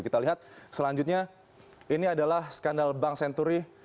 kita lihat selanjutnya ini adalah skandal bank senturi